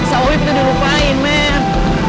soalnya kita dilupain men